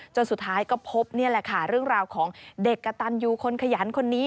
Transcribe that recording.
จนสุดท้ายก็พบนี่แหละค่ะเรื่องราวของเด็กกระตันยูคนขยันคนนี้